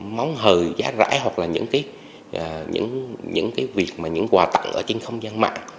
món hời giá rãi hoặc là những cái việc mà những quà tặng ở trên không gian mạng